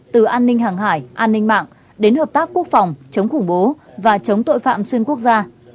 từ an ninh hàng hải an ninh mạng đến hợp tác quốc phòng chống khủng bố và chống tội phạm xuyên quốc gia